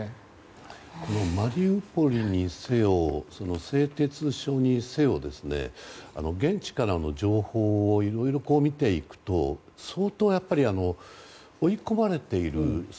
マリウポリにせよ製鉄所にせよ、現地からの情報をいろいろ見ていくと相当、追い込まれている。